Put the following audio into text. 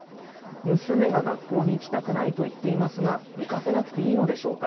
娘が学校に行きたくないと言っていますが、行かせなくていいのでしょうか？